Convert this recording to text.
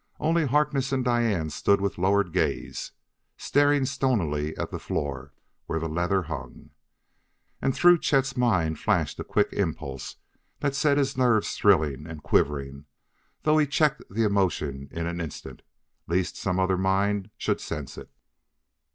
Only Harkness and Diane stood with lowered gaze, staring stonily at the floor where the leather hung. And through Chet's mind flashed a quick impulse that set his nerves thrilling and quivering, though he checked the emotion in an instant lest some other mind should sense it.